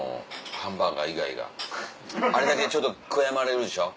あれだけちょっと悔やまれるでしょ。